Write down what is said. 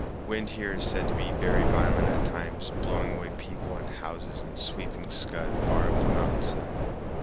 Wind is here said to be very violent at times, blowing away people and houses and sweeping scud far up the mountain side.